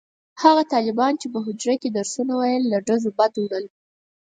هغه طالبانو چې په حجره کې درسونه ویل له ډزو بد وړل.